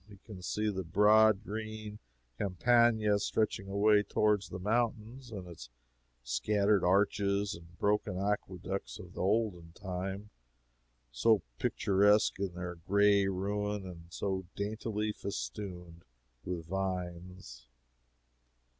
He can see the broad green Campagna, stretching away toward the mountains, with its scattered arches and broken aqueducts of the olden time, so picturesque in their gray ruin, and so daintily festooned with vines.